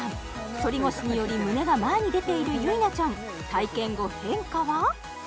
反り腰により胸が前に出ているゆいなちゃん体験後変化は？